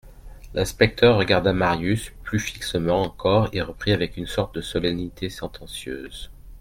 L'inspecteur regarda Marius plus fixement encore et reprit avec une sorte de solennité sentencieuse.